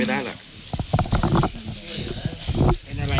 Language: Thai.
ทอดมวกนั่นนะ